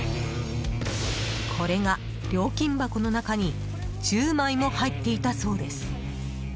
これが料金箱の中に１０枚も入っていたそうです。